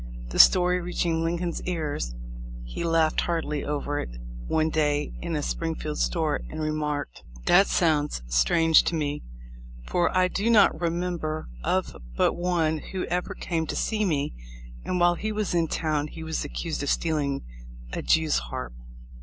The story reaching Lincoln's ears, he laughed heartily over it one day in a Springfield store and remarked : "That sounds strange to me, for I do not remem ber of but one who ever came to see me, and while he was in town he was accused of stealing a jew's harp."